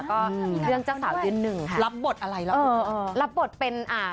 ก็เรื่องเจ้าสาวเดือนนึงรับบทอะไรรับบทเรียนเป็นอ่า